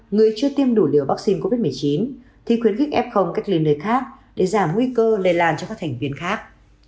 người chưa tiêm đủ liều vaccine covid một mươi chín thì khuyến khích f cách ly nơi khác để giảm nguy cơ lây lan cho các thành viên khác